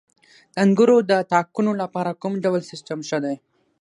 د انګورو د تاکونو لپاره کوم ډول سیستم ښه دی؟